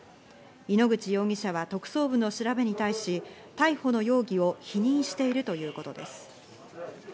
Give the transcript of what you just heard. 井ノ口容疑者は特捜部の調べに対し、逮捕の容疑を否認しているということです。